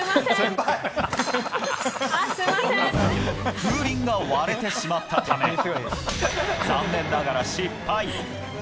風鈴が割れてしまったため残念ながら失敗。